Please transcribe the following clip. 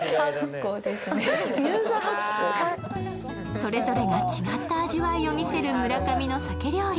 それぞれが違った味わいを見せる村上の鮭料理。